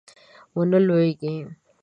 ونه لویږي